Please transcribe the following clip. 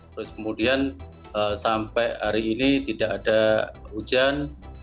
terus kemudian sampai hari ini tidak ada hujan